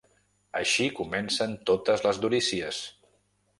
Així comencen totes les durícies.